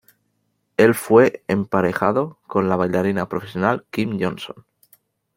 El fue emparejado con la bailarina profesional Kym Johnson.